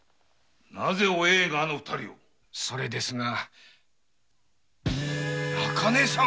それですが中根さん！